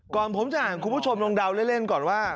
ก่อนผมจะหาของคุณผู้ชมลงดาวเล่นก่อนว่า